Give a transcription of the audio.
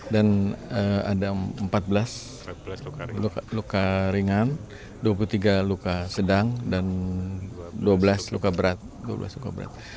dan ada empat belas luka ringan dua puluh tiga luka sedang dan dua belas luka berat